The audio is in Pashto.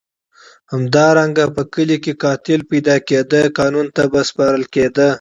همدارنګه که په کلي کې قاتل پیدا کېده قانون ته به سپارل کېد.